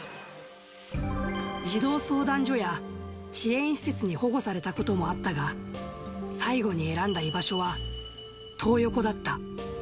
児童相談所や支援施設に保護されたこともあったが、最後に選んだ居場所はトー横だった。